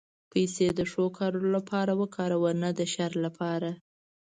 پېسې د ښو کارونو لپاره وکاروه، نه د شر لپاره.